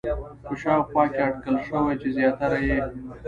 په شاوخوا کې اټکل شوی چې زیاتره یې